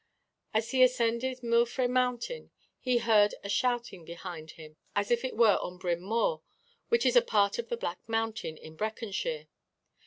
As he ascended Milfre Mountain he heard a shouting behind him as if it were on Bryn Mawr, which is a part of the Black Mountain in Breconshire.